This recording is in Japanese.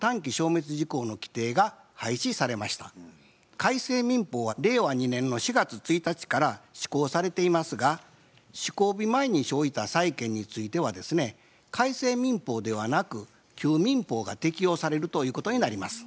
改正民法は令和２年の４月１日から施行されていますが施行日前に生じた債権についてはですね改正民法ではなく旧民法が適用されるということになります。